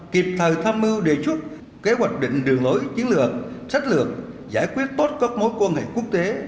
kịp thời tham mưu đề xuất kế hoạch định đường lối chiến lược sách lược giải quyết tốt các mối quan hệ quốc tế